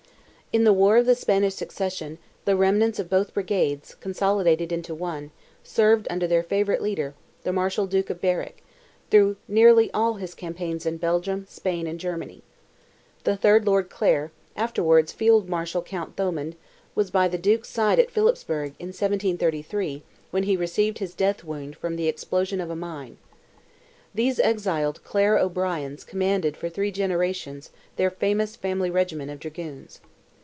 In the war of the Spanish succession, the remnants of both brigades, consolidated into one, served under their favourite leader, the Marshal Duke of Berwick, through nearly all his campaigns in Belgium, Spain and Germany. The third Lord Clare, afterwards Field Marshal Count Thomond, was by the Duke's side at Phillipsburg, in 1733, when he received his death wound from the explosion of a mine. These exiled Clare O'Briens commanded for three generations their famous family regiment of dragoons.